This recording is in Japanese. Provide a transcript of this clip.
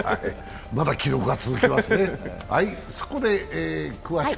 まだ記録は続きますね。